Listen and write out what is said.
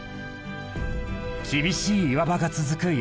厳しい岩場が続く八ヶ岳。